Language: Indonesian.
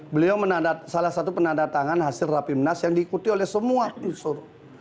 beliau salah satu penandatangan hasil rapimnas yang diikuti oleh semua unsur